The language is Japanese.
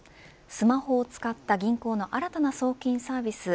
スマホを使った銀行の新たな送金サービス